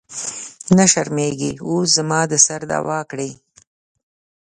نه شرمېږې اوس زما د سر دعوه کړې.